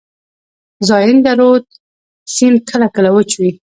زاینده رود سیند کله کله وچ وي.